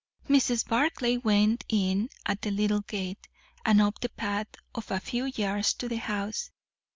Mrs. Barclay went in at the little gate, and up the path of a few yards to the house.